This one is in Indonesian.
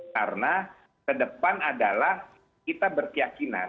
karena ke depan adalah kita berkeyakinan